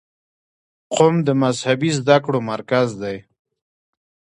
قم د مذهبي زده کړو مرکز دی.